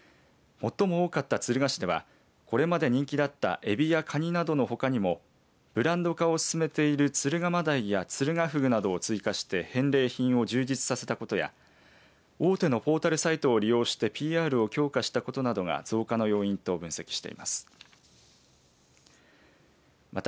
最も多かった敦賀市ではこれまで人気だったエビやカニなどのほかにもブランド化を進めている敦賀真鯛や敦賀ふぐなどを追加して返礼品を充実させたことや大手のポータルサイトを利用してＰＲを強化したことなどが増加の要因と分析しています。